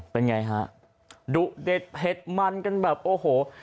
เป็นไงฮะดุเด็ดเผ็ดมันกันแบบโอ้โห